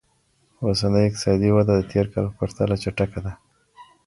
اوسنۍ اقتصادي وده د تير کال په پرتله چټکه ده.